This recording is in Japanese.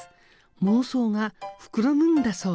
妄想が膨らむんだそう。